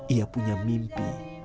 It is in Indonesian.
ia punya mimpi